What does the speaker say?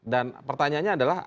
dan pertanyaannya adalah